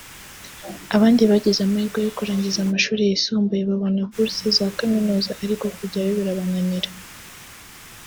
abandi bagize amahirwe yo kurangiza amashuri yisumbuye babona buruse za kaminuza ariko kujyayo birabananira